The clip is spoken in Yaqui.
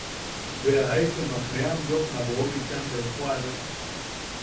Beja jaisumak ne am yoopna boʼobichan bempo ala.